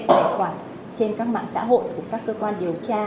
tài khoản trên các mạng xã hội của các cơ quan điều tra